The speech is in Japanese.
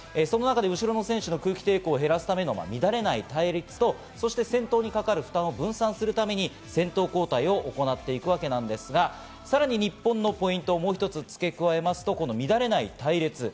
その中で後ろの選手の空気抵抗を減らすための乱れない隊列と先頭にかかる負担を分散するために、先頭交代を行っていくわけなんですが、さらに日本のポイントをもう一つ付け加えると、乱れない隊列。